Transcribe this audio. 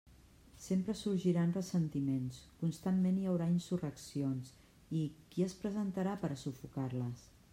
Sempre sorgiran ressentiments; constantment hi haurà insurreccions; i ¿qui es presentarà per a sufocar-les?